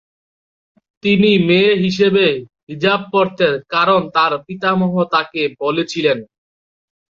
তিনি মেয়ে হিসেবে হিজাব পরতেন কারণ তার পিতামহ তাকে বলেছিলেন।